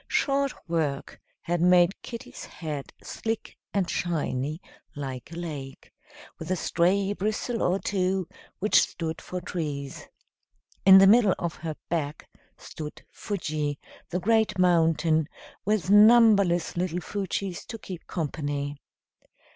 Short work had made kitty's head slick and shiny, like a lake, with a stray bristle or two, which stood for trees. In the middle of her back stood Fuji, the great mountain, with numberless little Fujis to keep company.